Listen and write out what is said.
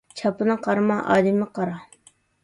چاپىنىغا قارىما، ئادىمىگە قارا